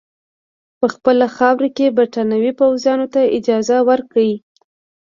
په خپله خاوره کې برټانوي پوځیانو ته اجازه ورکړي.